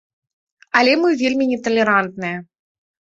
Але мы вельмі неталерантныя.